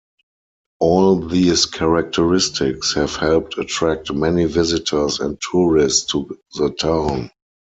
All these characteristics have helped attract many visitors and tourists to the town.